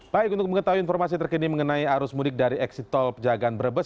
baik untuk mengetahui informasi terkini mengenai arus mudik dari eksit tol pejagaan brebes